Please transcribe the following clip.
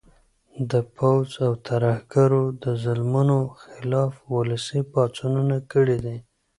د پوځ او ترهګرو د ظلمونو خلاف ولسي پاڅونونه کړي دي